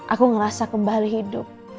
aku ngerasa kembali hidup